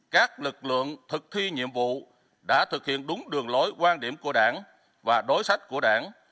các lực lượng thực thi nhiệm vụ đã thực hiện đúng đường lối quan điểm của đảng và đối sách của đảng